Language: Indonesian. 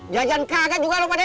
jajan kaget juga lo pade